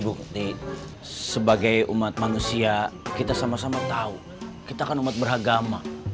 bukti sebagai umat manusia kita sama sama tahu kita kan umat beragama